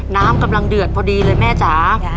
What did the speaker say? น้ำกำลังเดือดพอดีเลยแม่จ๋า